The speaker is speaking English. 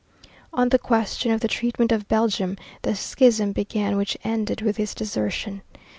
On the question of the treatment of Belgium, the schism began which ended with his desertion.